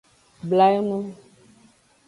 Bla enu.